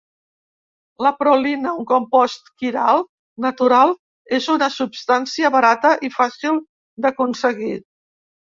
La prolina, un compost quiral natural, és una substància barata i fàcil d'aconseguir.